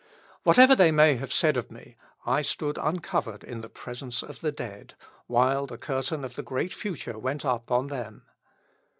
Whatever they may have said of me, I stood uncovered in the presence of the dead, while the curtain of the great future went up on them.